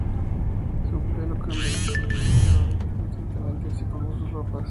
Su pelo cambia de estilo y de color constantemente, así como sus ropas.